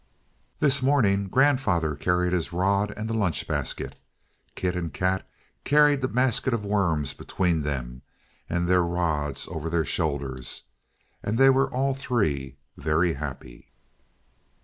This morning, grandfather carried his rod and the lunch basket. Kit and Kat carried the basket of worms between them, and their rods over their shoulders, and they were all three very happy.